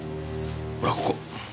ほらここ。